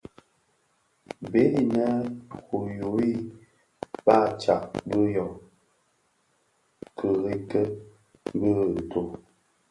Bèè inë ù yaghii, baà tsad bi yô tikerike bì ntó.